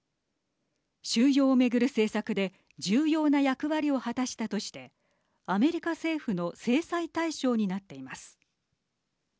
収容をめぐる政策で重要な役割を果たしたとしてアメリカ政府の制裁対象になっています。